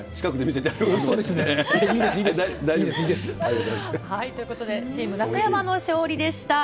いいです、ということで、チーム中山の勝利でした。